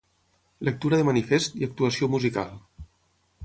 Lectura de manifest i actuació musical.